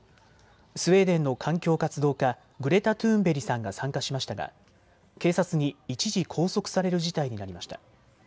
スウェーデンの環境活動家、グレタ・トゥーンベリさんが参加しましたが警察に一時拘束される事態になりました。